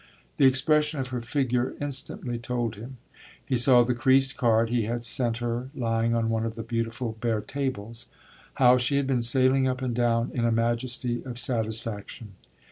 The expression of her figure instantly told him he saw the creased card he had sent her lying on one of the beautiful bare tables how she had been sailing up and down in a majesty of satisfaction.